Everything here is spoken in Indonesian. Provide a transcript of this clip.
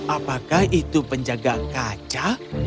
apakah itu penjaga kaca